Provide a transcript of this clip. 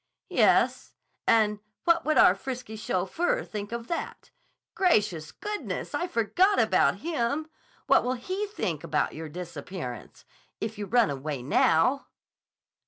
"Yes: and what would our frisky chauffeur think of that! Gracious goodness! I forgot about him. What will he think about your disappearance if you run away now?"